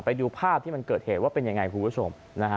ไปดูภาพที่มันเกิดเหตุว่าเป็นยังไงคุณผู้ชม